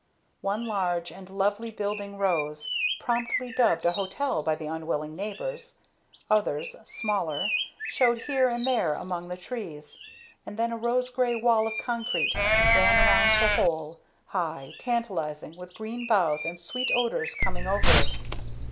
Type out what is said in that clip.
One large and lovely building rose, promptly dubbed a hotel by the unwilling neighbors; others, smaller, showed here and there among the trees; and then a rose gray wall of concrete ran around the whole, high, tantalizing, with green boughs and sweet odors coming over it.